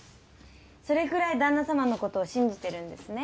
それぐらい旦那様の事を信じてるんですね。